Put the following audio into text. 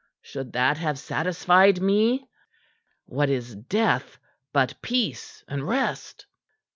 Should that have satisfied me? What is death but peace and rest?"